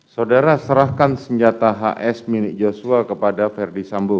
saudara serahkan senjata hs minik josua kepada ferdi sambu